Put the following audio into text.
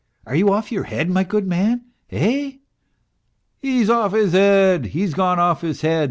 Are you off your head, my good man, eh ?"" He's off his head ! He's gone off his head